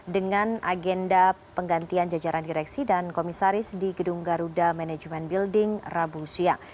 dengan agenda penggantian jajaran direksi dan komisaris di gedung garuda management building rabu siang